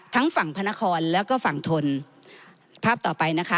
ทั้งฝั่งพระนครแล้วก็ฝั่งทนภาพต่อไปนะคะ